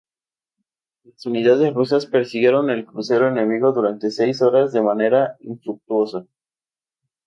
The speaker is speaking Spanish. Las unidades rusas persiguieron el crucero enemigo durante seis horas de manera infructuosa.